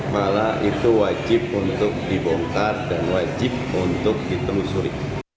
malah itu wajib untuk dibongkar dan wajib untuk ditelusuri